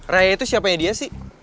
raya itu siapanya dia sih